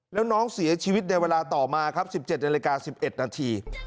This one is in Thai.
แล้วน้องเสียชีวิตในเวลาต่อมาครับ๑๗นาฬิกา๑๑นาที